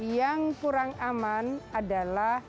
yang kurang aman adalah